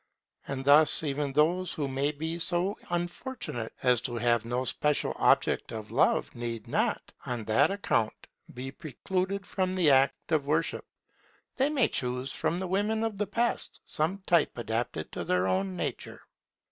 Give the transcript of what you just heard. And thus even those who may be so unfortunate as to have no special object of love need not, on that account, be precluded from the act of worship: they may choose from the women of the past some type adapted to their own nature.